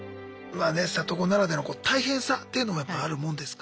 里子ならではの大変さっていうのもやっぱあるもんですか？